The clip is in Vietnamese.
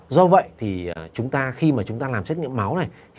do vậy thì chúng ta khi mà chúng ta làm xét nghiệm máu này